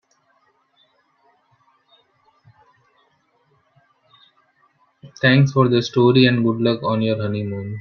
Thanks for the story and good luck on your honeymoon.